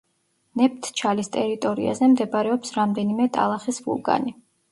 ნეფთჩალის ტერიტორიაზე მდებარეობს რამდენიმე ტალახის ვულკანი.